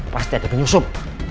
pasti ada penyusup